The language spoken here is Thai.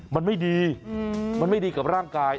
มันไม่ดีมันไม่ดีกับร่างกาย